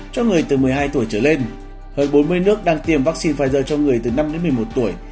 cho người từ một mươi hai tuổi trở lên hơn bốn mươi nước đang tiêm vaccine pfizer cho người từ năm đến một mươi một tuổi